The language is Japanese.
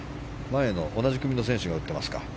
前の同じ組の選手が打ってますか。